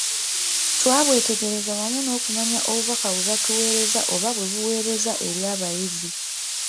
Twabwetegereza wamu n’okumanya obubaka bwe butuweereza oba bwe buweereza eri abayizi.